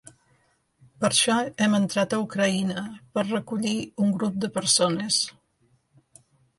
Per això hem entrat a Ucraïna, per recollir un grup de persones.